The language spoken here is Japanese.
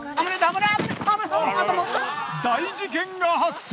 大事件が発生！